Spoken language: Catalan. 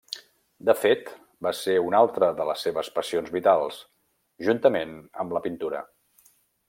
De fet, va ser una altra de les seves passions vitals, juntament amb la pintura.